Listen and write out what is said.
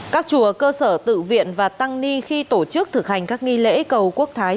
các chùa cơ sở tự viện và tăng ni khi tổ chức thực hành các nghi lễ cầu quốc thái